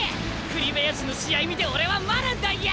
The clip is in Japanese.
栗林の試合見て俺は学んだんや！